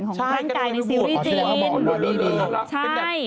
ของกล้างกายในซีรีส์จีนหรือบีบีละครับใช่